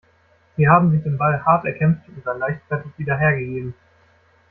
Sie haben sich den Ball hart erkämpft und dann leichtfertig wieder hergegeben.